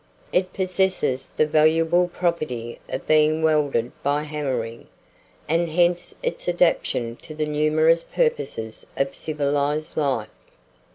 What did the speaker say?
It possesses the valuable property of being welded by hammering; and hence its adaptation to the numerous purposes of civilized life.